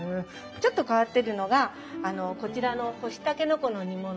ちょっと変わってるのがこちらの干しタケノコの煮物。